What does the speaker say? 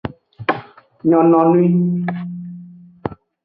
Nyononwi.